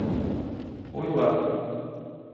— Уйла.